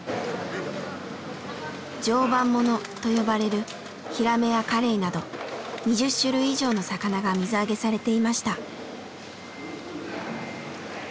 「常磐もの」と呼ばれるヒラメやカレイなど２０種類以上の魚が水揚げされていました。